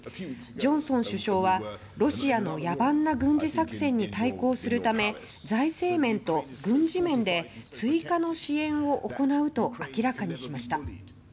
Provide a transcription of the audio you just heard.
ジョンソン首相はロシアの野蛮な軍事作戦に対抗するため財政面と軍事面で追加の支援を行うと明らかにしました。